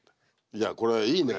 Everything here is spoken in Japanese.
いやこれいいね。